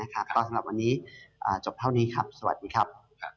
ก็สำหรับวันนี้จบเท่านี้ครับสวัสดีครับ